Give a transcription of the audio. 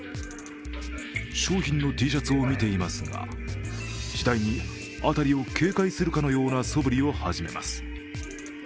商品のＴシャツを見ていますが次第に辺りを警戒するかのようなそぶりを始めます。